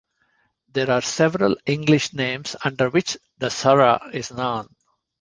There are several English names under which the surah is known.